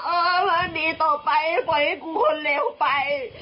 เออพอดีต่อไปปล่อยให้กูคนเลวไป